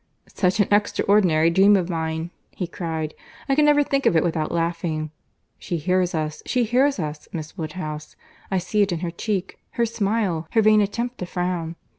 "Such an extraordinary dream of mine!" he cried. "I can never think of it without laughing.—She hears us, she hears us, Miss Woodhouse. I see it in her cheek, her smile, her vain attempt to frown.